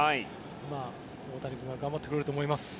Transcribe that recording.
まあ、大谷君が頑張ってくれると思います。